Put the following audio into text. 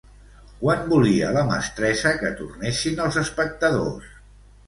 Quan volia la mestressa que tornessin els espectadors?